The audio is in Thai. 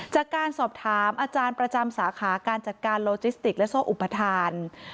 จากการสอบถามอาจารย์ประจำสาขาการจัดการโลจิสติกและโซ่อุปทาน